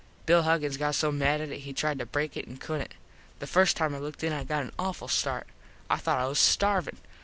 Bill Huggins got so mad at it he tried to break it and couldnt. The first time I looked in it I got an awful start. I thought I was starvin.